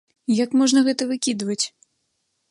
Як можна гэта выкідваць?